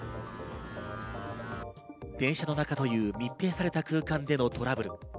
電車の中という密閉された空間でのトラブル。